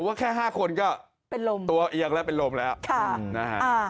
ผมว่าแค่๕คนก็ตัวเอียงแล้วเป็นลมแล้วเป็นลมค่ะ